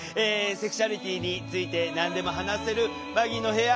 セクシュアリティーについて何でも話せるバギーの部屋。